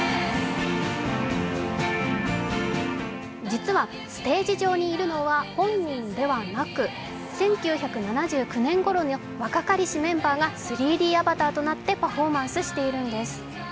実は、ステージ上にいるのは本人ではなく１９７９年ごろの若かりしメンバーが３Ｄアバターとなってパフォーマンスしているんです。